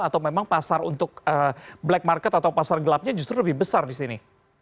atau memang pasar untuk black market atau pasar gelapnya justru lebih besar di sini